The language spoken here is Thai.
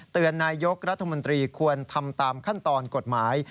นายยกรัฐมนตรีควรทำตามขั้นตอนกฎหมาย